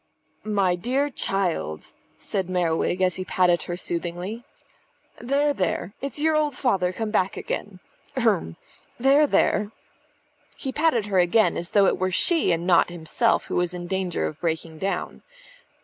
"My dear child," said Merriwig as he patted her soothingly. "There, there! It's your old father come back again. H'r'm. There, there!" He patted her again, as though it were she and not himself who was in danger of breaking down.